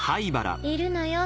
いるのよ